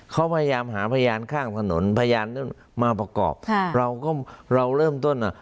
เขาพยายามหาพยานข้างถนนพยานมาประกอบค่ะเราก็เราเริ่มต้นอ่ะ